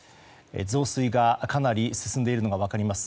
増水がかなり進んでいるのが分かります。